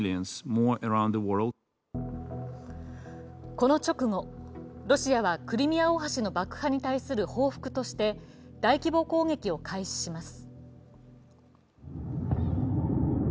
この直後、ロシアはクリミア大橋の爆破に対する報復として大規模攻撃を開始します。